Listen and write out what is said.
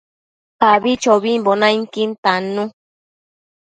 Abichobimbo nainquin tannu